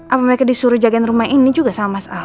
apa mereka disuruh jagain rumah ini juga sama mas ahok